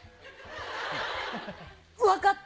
分かった。